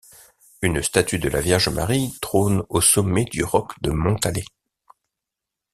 Une statue de la vierge Marie trône au sommet du roc de Montalet.